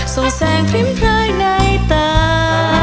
สู่แสงพริ้มพลายในตา